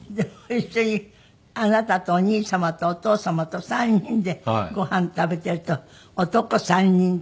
一緒にあなたとお兄様とお父様と３人でご飯食べていると男３人って。